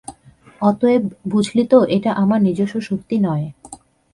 অতএব বুঝলি তো, এটা আমার নিজস্ব শক্তি নয়।